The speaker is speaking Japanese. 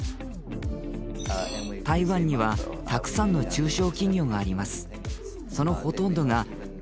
台湾にはたくさんの中小企業があります。